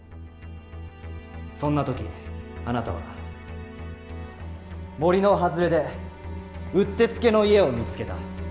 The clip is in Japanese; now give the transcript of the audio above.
そんな時あなたは森の外れでうってつけの家を見つけた。